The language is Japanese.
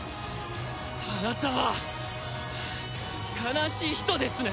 あなたは悲しい人ですね。